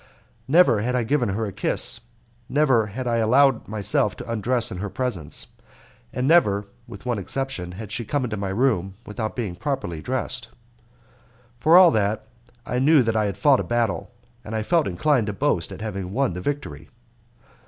Never had I given her a kiss, never had I allowed myself to undress in her presence, and never (with one exception) had she come into my room without being properly dressed. For all that, I knew that I had fought a battle, and I felt inclined to boast at having won the victory.